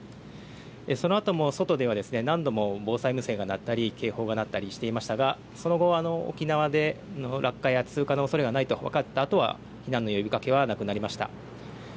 そのあとも外では何度も防災無線が鳴ったり、警報が鳴ったりしていましたがその後、沖縄での落下や通過のおそれがないと分かったあとは避難の呼びかけはなくなりました。